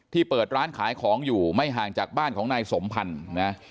เปิดร้านขายของอยู่ไม่ห่างจากบ้านของนายสมพันธ์นะ